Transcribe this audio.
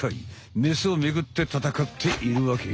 メスをめぐって戦っているわけよ。